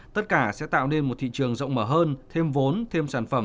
tất cả sẽ tạo nên một thị trường rộng mở hơn thêm vốn thêm sản phẩm